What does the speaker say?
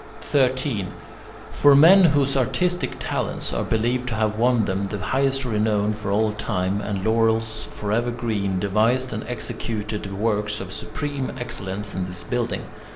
[Note 9: Codd. fuerat.] 13. For men whose artistic talents are believed to have won them the highest renown for all time, and laurels forever green, devised and executed works of supreme excellence in this building.